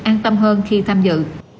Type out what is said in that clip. an tâm hơn khi tham dự